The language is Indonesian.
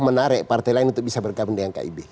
menarik partai lain untuk bisa bergabung dengan kib